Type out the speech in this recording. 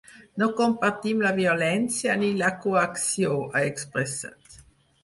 “No compartim la violència ni la coacció”, ha expressat.